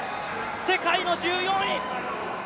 世界の１４位。